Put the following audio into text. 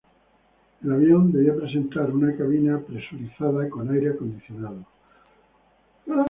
El avión debía presentar una cabina presurizada con aire acondicionado.